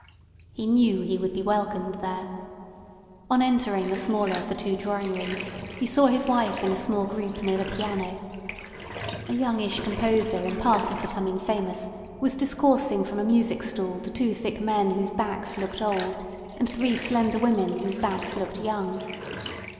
He knew he would be welcomed there. On entering the smaller of the two drawing rooms he saw his wife in a small group near the piano. A youngish composer in pass of becoming famous was discoursing from a music stool to two thick men whose backs looked old, and three slender women whose backs looked young.